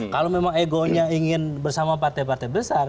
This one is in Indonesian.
kalau memang egonya ingin bersama partai partai besar